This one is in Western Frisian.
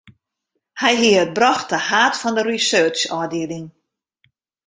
Hy hie it brocht ta haad fan in researchôfdieling.